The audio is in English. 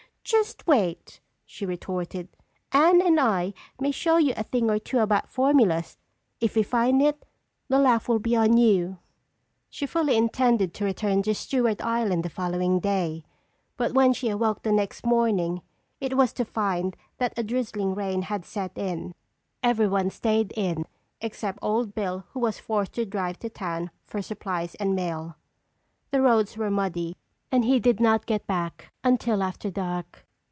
"Just wait!" she retorted. "Anne and I may show you a thing or two about formulas! If we find it, the laugh will be on you!" She fully intended to return to Stewart Island the following day, but when she awoke the next morning it was to find that a drizzling rain had set in. Everyone stayed close in except Old Bill who was forced to drive to town for supplies and mail. The roads were muddy and he did not get back until after dark.